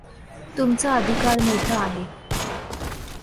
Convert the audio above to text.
तुमचा अधिकार मोठा आहे.